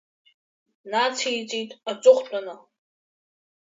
Нациҵеит аҵыхәтәаны!